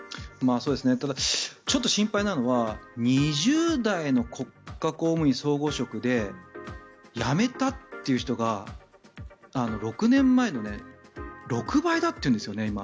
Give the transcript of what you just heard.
ただ、ちょっと心配なのは２０代の国家公務員、総合職で辞めたっていう人が６年前の６倍だっていうんですよね、今。